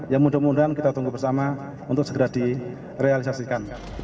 ya mudah mudahan kita tunggu bersama untuk segera direalisasikan